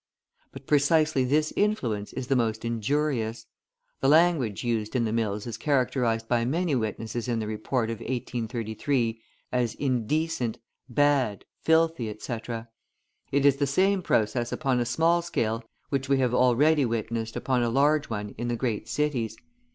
But precisely this influence is the most injurious. The language used in the mills is characterised by many witnesses in the report of 1833, as "indecent," "bad," "filthy," etc. {148b} It is the same process upon a small scale which we have already witnessed upon a large one in the great cities.